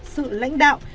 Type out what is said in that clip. sự lãnh đạo